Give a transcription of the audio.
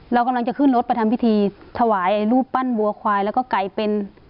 เรากำลังจะขึ้นรถไปทำพิธีถวายรูปปั้นวัวควายแล้วก็กลายเป็น